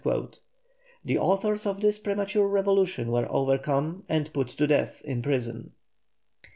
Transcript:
The authors of this premature revolution were overcome and put to death in prison.